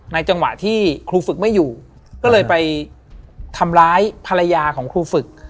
จังหวะที่ครูฝึกไม่อยู่ก็เลยไปทำร้ายภรรยาของครูฝึก